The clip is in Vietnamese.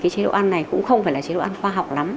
chế độ ăn này cũng không phải là chế độ ăn khoa học lắm